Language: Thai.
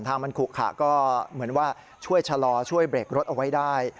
ทางมันขุขะก็เหมือนว่าช่วยชะลอช่วยเบรกรถเอาไว้ได้